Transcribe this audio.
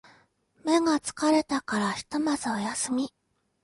目が疲れたからひとまずお休み